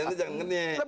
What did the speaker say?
ya ini jangan ngenyek